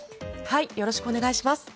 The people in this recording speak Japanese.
よろしくお願いします。